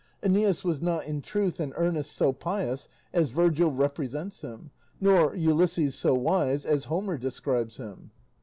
Æneas was not in truth and earnest so pious as Virgil represents him, nor Ulysses so wise as Homer describes him."